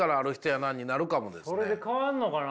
それで変わるのかな？